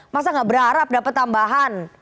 masa gak berharap dapat tambahan